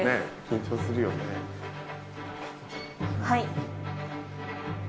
はい。